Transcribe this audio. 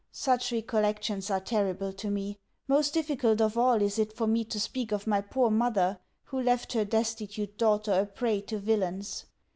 Such recollections are terrible to me. Most difficult of all is it for me to speak of my poor mother, who left her destitute daughter a prey to villains.